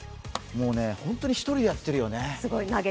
もうね、本当に１人でやってるよね。